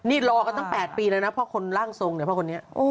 นี่รอก็ต้อง๘ปีแล้วนะพอคนร่างทรงเนี่ย